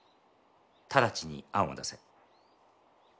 直ちに案を出せ。